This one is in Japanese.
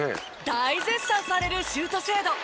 大絶賛されるシュート精度。